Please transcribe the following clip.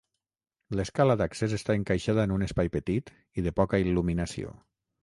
L'escala d'accés està encaixada en un espai petit i de poca il·luminació.